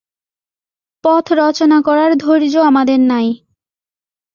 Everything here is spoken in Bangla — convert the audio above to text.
পথ রচনা করার ধৈর্য আমাদের নাই।